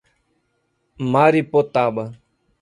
Mairipotaba